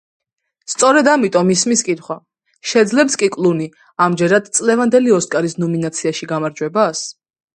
სწორედ ამიტომ, ისმის კითხვა: შეძლებს კი კლუნი, ამჯერად, წლევანდელი ოსკარის ნომინაციაში გამარჯვებას?